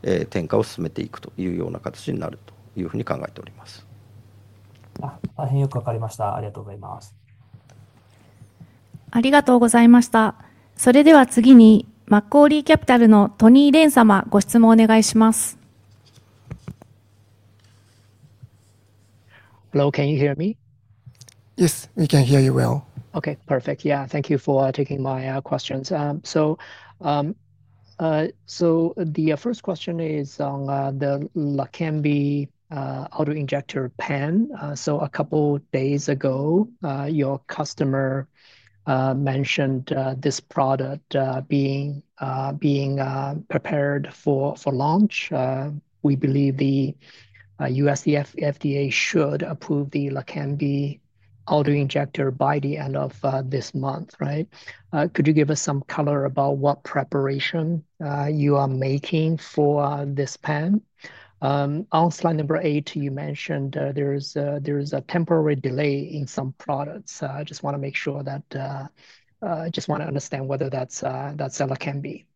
Hello. Can you hear me? Yes. We can hear you well. Okay. Perfect. Yeah. Thank you for taking my questions. So so the first question is on the Lacambi auto injector pen. So a couple days ago, your customer mentioned this product being being prepared for for launch. We believe the USCF FDA should approve the Lacanbi auto injector by the end of this month. Right? Could you give us some color about what preparation you are making for this pan? On slide number eight, you mentioned there is a there is a temporary delay in some products. I just wanna make sure that I just wanna understand whether that's that seller can be.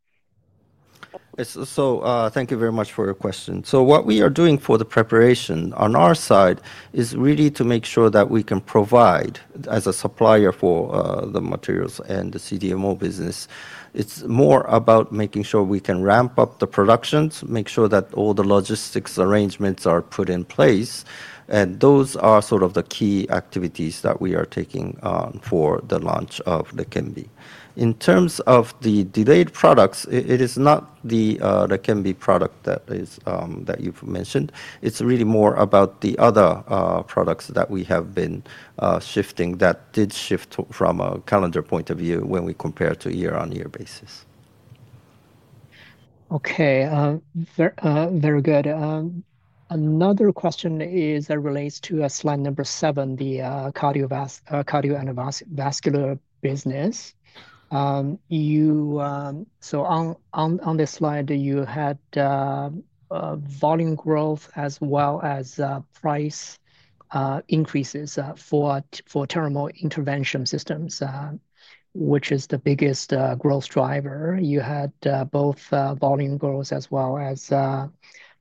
So thank you very much for your question. So what we are doing for the preparation on our side is really to make sure that we can provide as a supplier for the materials and the CDMO business. It's more about making sure we can ramp up the productions, make sure that all the logistics arrangements are put in place. And those are sort of the key activities that we are taking for the launch of the Kenbi. In terms of the delayed products, it is not the Kenbi product that you've mentioned. It's really more about the other products that we have been shifting that did shift from a calendar point of view when we compare to year on year basis. Okay. Very good. Another question is that relates to a slide number seven, the cardiovascular business. You so on on on this slide, you had volume growth as well as price increases for for thermal intervention systems, which is the biggest growth driver. You had both volume growth as well as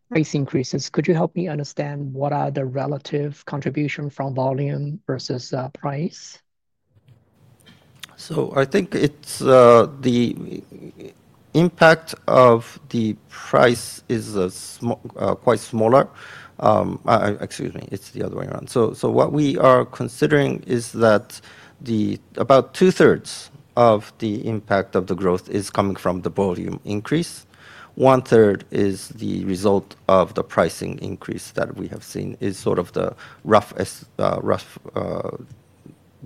price increases. Could you help me understand what are the relative contribution from volume versus price? So I think it's the impact of the price is quite smaller. Excuse me, it's the other way around. So what we are considering is that the about two thirds of the impact of the growth is coming from the volume increase. One third is the result of the pricing increase that we have seen is sort of the rough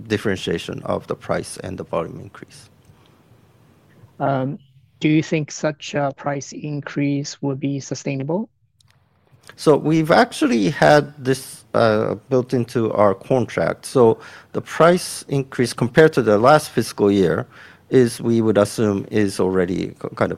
differentiation of the price and the volume increase. Do you think such a price increase would be sustainable? So we've actually had this built into our contract. So the price increase compared to the last fiscal year is we would assume is already kind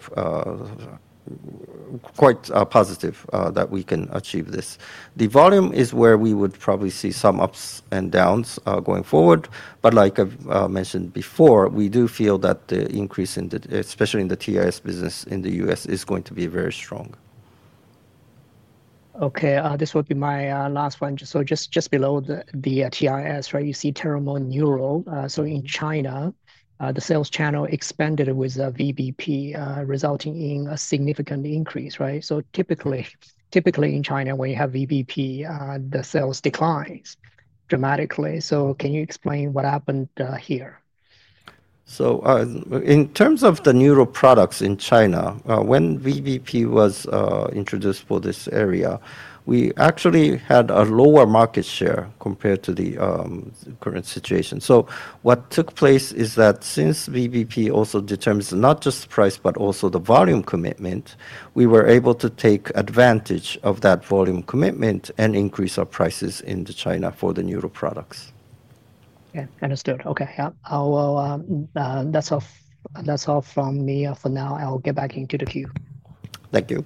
of quite positive that we can achieve this. The volume is where we would probably see some ups and downs going forward. But like I've mentioned before, we do feel that the increase in the especially in the TIS business in The U. S. Is going to be very strong. Okay. This would be my last one. So just just below the the TIS, right, you see Terremon Neuro. So in China, the sales channel expanded with a VBP resulting in a significant increase. Right? So typically in China, when you have VBP, the sales declines dramatically. So can you explain what happened here? So in terms of the neuro products in China, when VBP was introduced for this area, we actually had a lower market share compared to the current situation. So what took place is that since VBP also determines not just price, but also the volume commitment, we were able to take advantage of that volume commitment and increase our prices into China for the noodle products. Okay, understood. Okay. That's all from me for now. I'll get back into the queue. Thank you.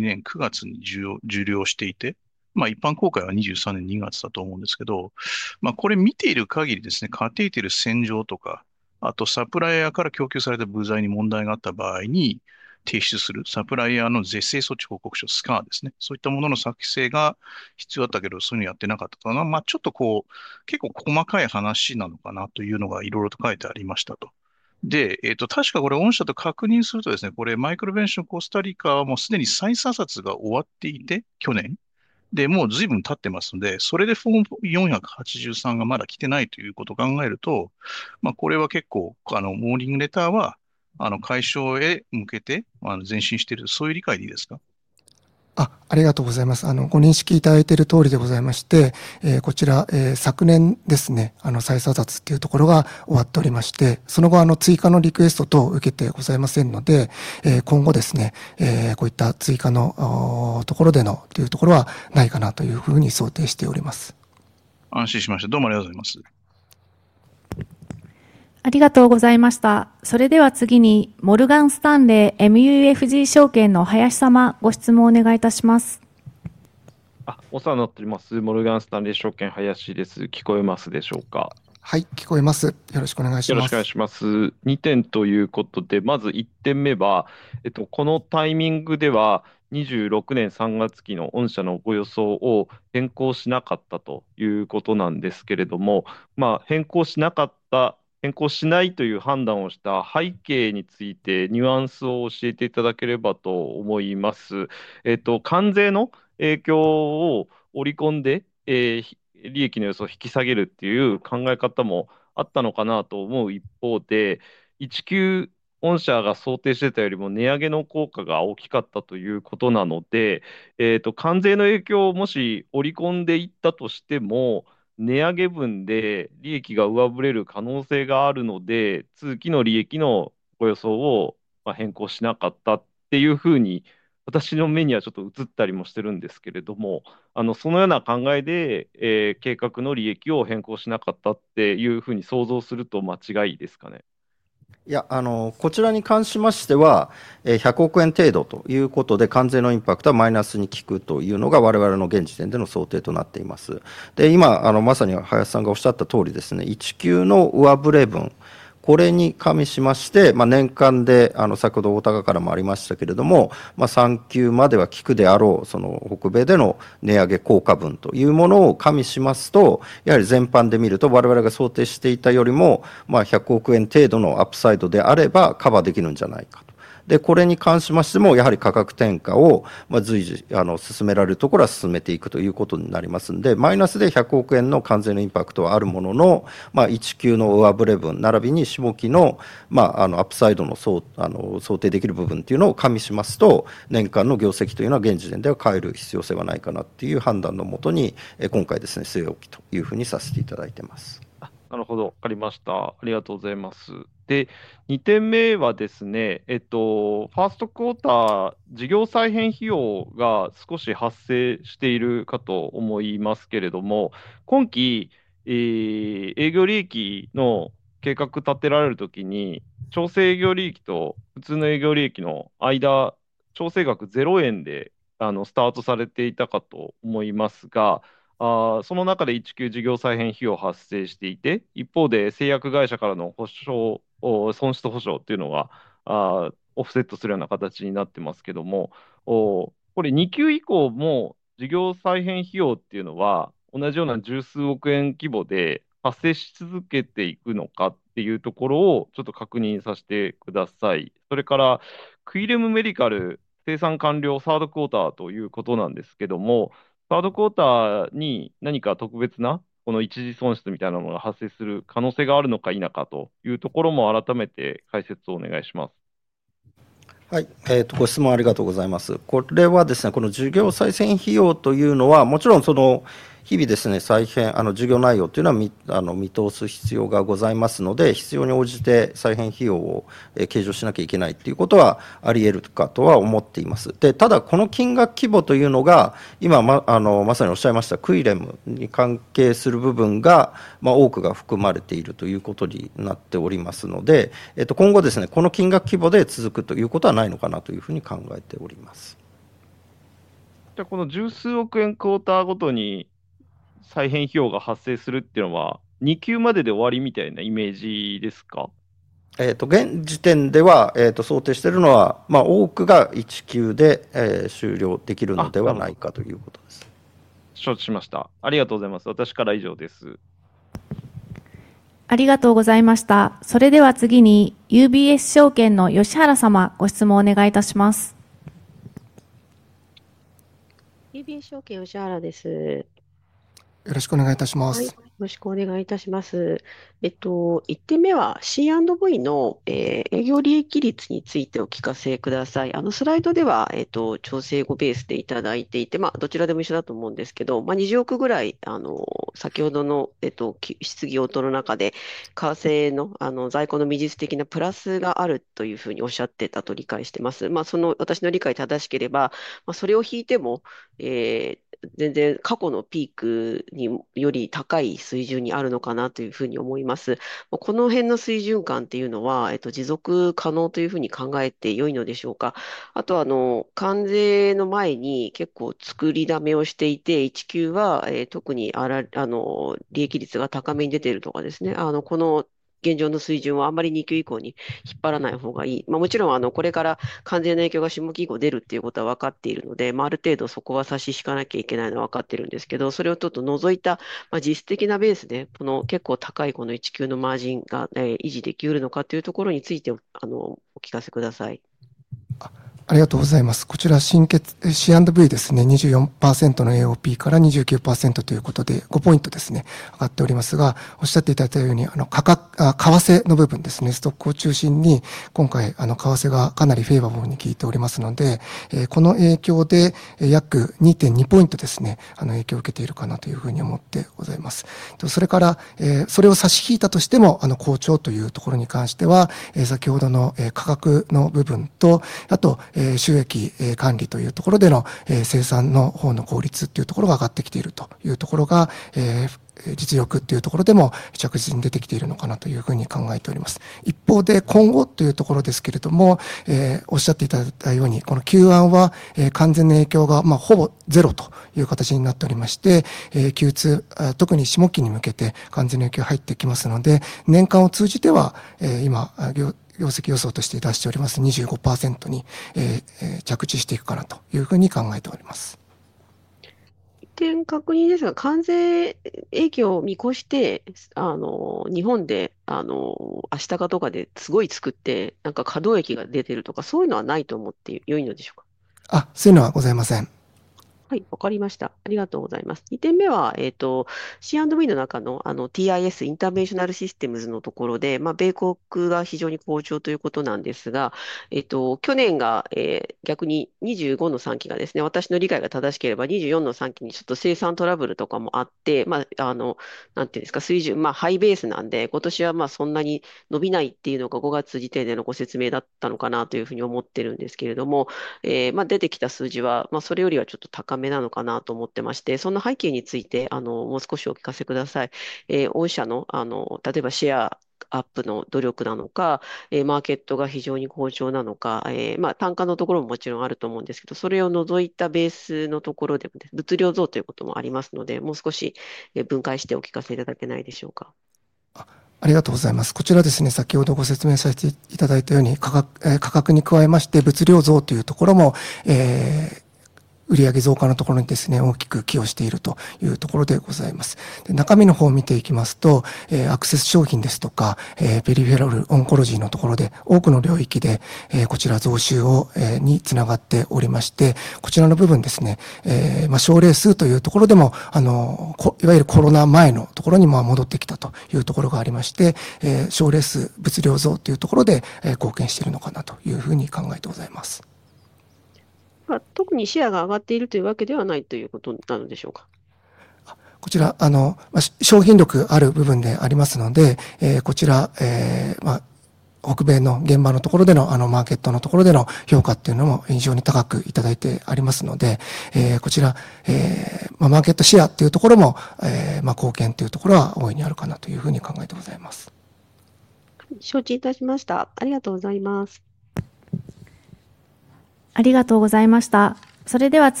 Hi, there. Yeah. Maybe just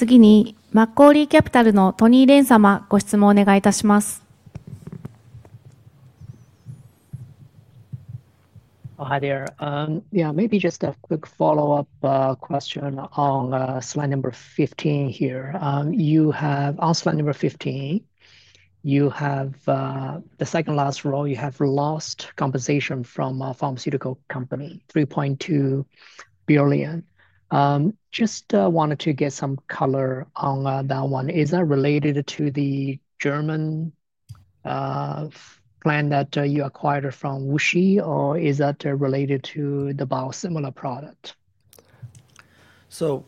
a quick follow-up question on slide number 15 here. You have on slide number 15, have the second last row, you have lost compensation from a pharmaceutical company, 3,200,000,000.0. Just wanted to get some color on that one. Is that related to the German plan that you acquired from WuXi or is that related to the biosimilar product? So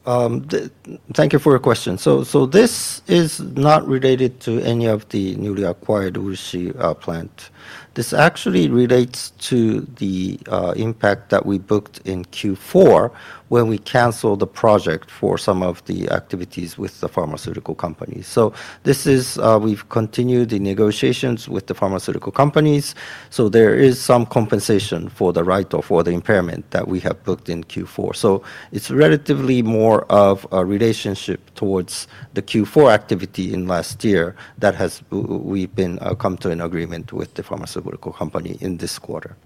thank you for your question. So this is not related to any of the newly acquired Wuxi plant. This actually relates to the impact that we booked in Q4 when we canceled the project for some of the activities with the pharmaceutical companies. So this is we've continued the negotiations with the pharmaceutical companies. So there is some compensation for the write off or the impairment that we have booked in Q4. So it's relatively more of a relationship towards the Q4 activity in last year that has we've been come to an agreement with the pharmaceutical company in this quarter.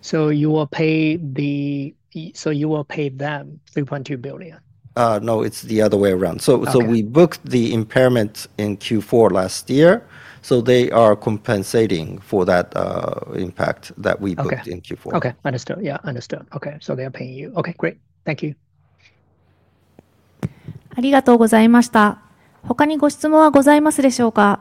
So you will pay the so you will pay them 3,200,000,000.0? No. It's the other way around. So so we booked the impairment in q four last year, so they are compensating for that impact that we put Okay. In Understood. Yes, understood. Okay. So they are paying you. Okay, great. Thank you.